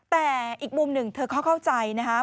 แต่อีกมุมหนึ่งเธอเข้าใจนะฮะ